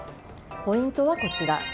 ポイントはこちら。